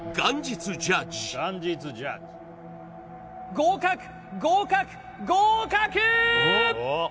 合格合格合格！